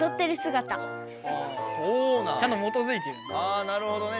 あなるほどね。